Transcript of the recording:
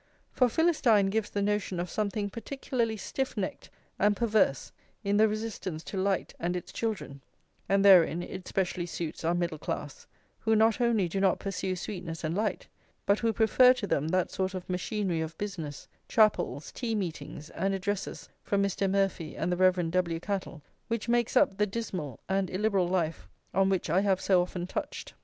For Philistine gives the notion of something particularly stiff necked and perverse in the resistance to light and its children, and therein it specially suits our middle class, who not only do not pursue sweetness and light, but who prefer to them that sort of machinery of business, chapels, tea meetings, and addresses from Mr. Murphy and the Rev. W. Cattle, which makes up the dismal and illiberal life on which I have so often touched.